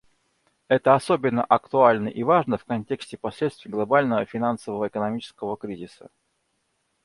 Это особенно актуально и важно в контексте последствий глобального финансово-экономического кризиса.